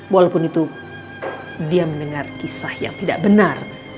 walaupun itu dia mendengar kisah yang tidak benar